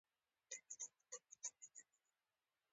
د حاصل د زیاتوالي لپاره د کښت تخنیکونه باید ښه شي.